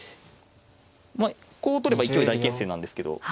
こう取れば勢い大決戦なんですけど。